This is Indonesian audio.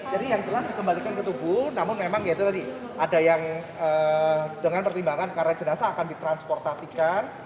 jadi yang jelas dikembalikan ke tubuh namun memang ya itu tadi ada yang dengan pertimbangan karena jenazah akan ditransportasikan